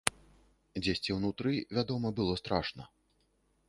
Дзесьці ўнутры, вядома, было страшна.